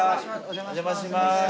お邪魔します。